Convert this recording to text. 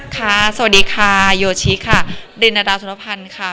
สวัสดีค่ะโยชิค่ะดินนาดาสุรพันธ์ค่ะ